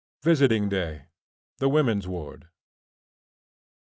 VISITING DAY THE WOMEN'S WARD.